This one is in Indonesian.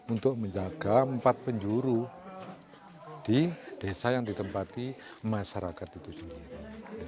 untuk menjaga empat penjuru di desa yang ditempati masyarakat itu sendiri